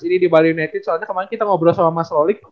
di bali united soalnya kemarin kita ngobrol sama mas lolik